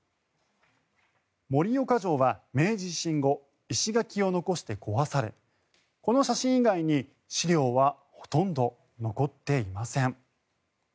盛岡城は明治維新後石垣を残して壊されこの写真以外に資料はほとんど残っていません。